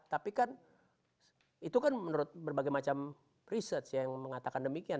tapi kan itu kan menurut berbagai macam research yang mengatakan demikian